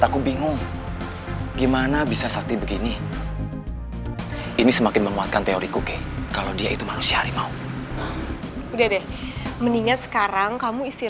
tolong anterin saya ke jalan mobil itu sama motor itu